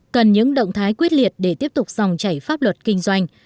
cần những động thái quyết liệt để tiếp tục dòng chảy pháp luật kinh doanh